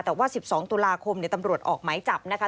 แต่ว่า๑๒ตุลาคมตำรวจออกหมายจับนะคะ